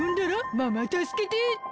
「ママたすけて」って。